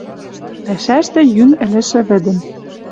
Пӓшӓштӹ йӱн ӹлӹшӹ вӹдӹм.